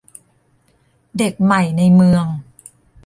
เด็กใหม่ในเมือง